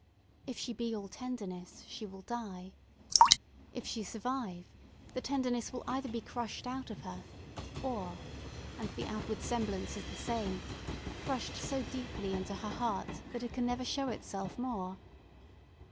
If she be all tenderness, she will die. If she survive, the tenderness will either be crushed out of her, or—and the outward semblance is the same—crushed so deeply into her heart that it can never show itself more.